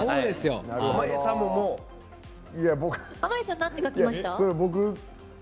濱家さんなんて書きました？